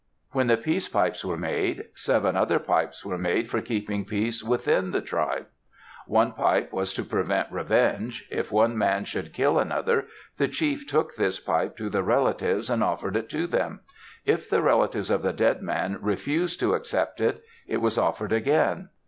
When the peace pipes were made, seven other pipes were made for keeping peace within the tribe. One pipe was to prevent revenge. If one man should kill another, the chief took this pipe to the relatives and offered it to them. If the relatives of the dead man refused to accept it, it was offered again.